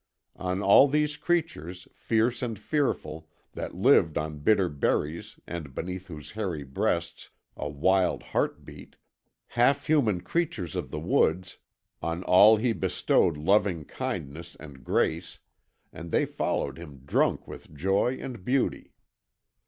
On all these creatures fierce and fearful, that lived on bitter berries and beneath whose hairy breasts a wild heart beat, half human creatures of the woods on all he bestowed loving kindness and grace, and they followed him drunk with joy and beauty.